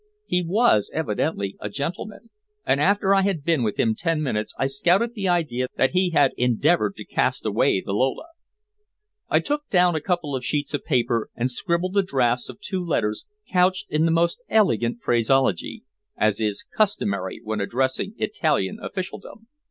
He was evidently a gentleman, and after I had been with him ten minutes I scouted the idea that he had endeavored to cast away the Lola. I took down a couple of sheets of paper and scribbled the drafts of two letters couched in the most elegant phraseology, as is customary when addressing Italian officialdom.